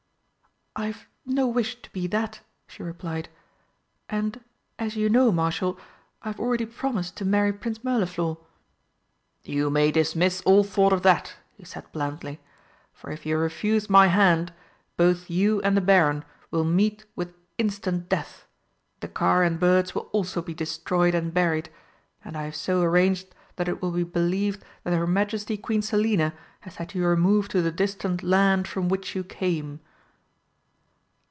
"I've no wish to be that," she replied, "and, as you know, Marshal, I have already promised to marry Prince Mirliflor." "You may dismiss all thought of that," he said blandly, "for if you refuse my hand, both you and the Baron will meet with instant death, the car and birds will also be destroyed and buried, and I have so arranged that it will be believed that her Majesty Queen Selina has had you removed to the distant land from which you came."